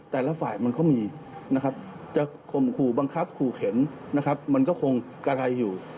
แต่ละฝ่ายมันก็มีจะคงขู่บังคับขู่เข็นมันก็คงกระทายอยู่